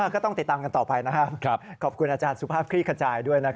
ก็ต้องติดตามกันต่อไปนะครับขอบคุณอาจารย์สุภาพคลี่ขจายด้วย